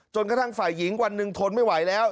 กระทั่งฝ่ายหญิงวันหนึ่งทนไม่ไหวแล้ว